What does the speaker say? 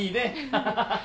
ハハハハ。